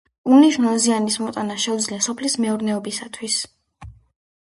უმნიშვნელო ზიანის მოტანა შეუძლია სოფლის მეურნეობისათვის.